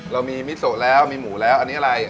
เรามีมิโซแล้วมีหมูแล้วอันนี้อะไร